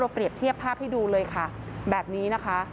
เปรียบเทียบภาพให้ดูเลยค่ะแบบนี้นะคะ